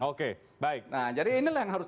oke baik nah jadi inilah yang harus